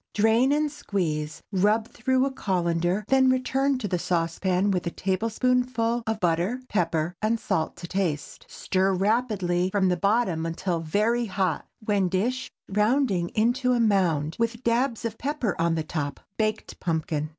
Drain and squeeze, rub through a cullender, then return to the saucepan with a tablespoonful of butter, pepper, and salt to taste. Stir rapidly from the bottom until very hot, when dish, rounding into a mound, with "dabs" of pepper on the top. BAKED PUMPKIN.